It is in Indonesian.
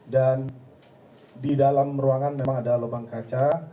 dan di dalam ruangan memang ada lubang kaca